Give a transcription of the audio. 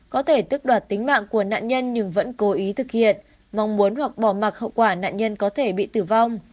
có thể tức đoạt tính mạng của nạn nhân nhưng vẫn cố ý thực hiện mong muốn hoặc bỏ mặc hậu quả nạn nhân có thể bị tử vong